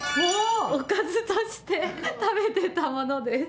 おかずとして食べてたものです。